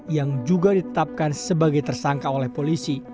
yang juga ditetapkan sebagai tersangka oleh polisi